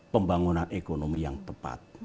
pembangunan ekonomi yang tepat